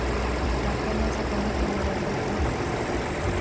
La cola es apenas medio abierta.